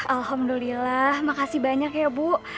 alhamdulillah makasih banyak ya bu